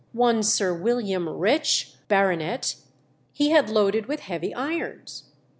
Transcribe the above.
One Sir William Rich, Bart., he had loaded with heavy irons.